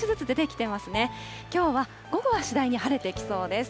きょうは午後は次第に晴れてきそうです。